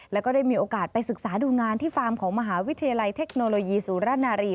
แล้วก็ได้มีโอกาสไปศึกษาดูงานที่ฟาร์มของมหาวิทยาลัยเทคโนโลยีสุรนารี